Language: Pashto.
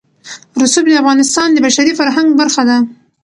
رسوب د افغانستان د بشري فرهنګ برخه ده.